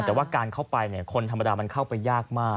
แต่ว่าการเข้าไปคนธรรมดามันเข้าไปยากมาก